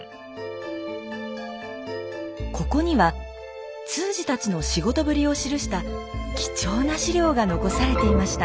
ここには通詞たちの仕事ぶりを記した貴重な史料が残されていました。